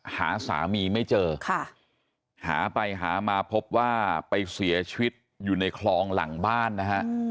หาสามีไม่เจอหาไปหามาพบว่าไปเสียชีวิตอยู่ในคลองหลังบ้านนะฮะ